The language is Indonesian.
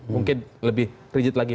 mungkin lebih rigid lagi